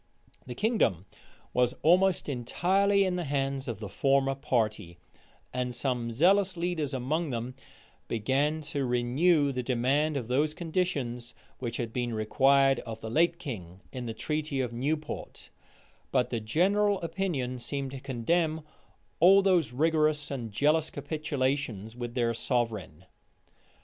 The kingdom was almost entirely in the hands of the former party; and some zealous leaders among them began to renew the demand of those conditions which had been required of the late king in the treaty of Newport: but the general opinion seemed to condemn all those rigorous and jealous capitulations with their sovereign.